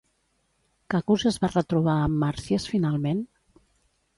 Cacus es va retrobar amb Màrsias finalment?